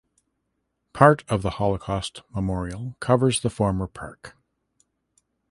Part of the Holocaust Memorial covers the former park.